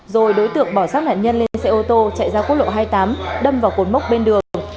rồi đối tượng bỏ sát nạn nhân lên xe ô tô chạy ra quốc lộ hai mươi tám đâm vào cột mốc bên đường